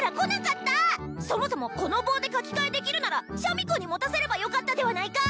そもそもこの棒で書き換えできるならシャミ子に持たせればよかったではないか！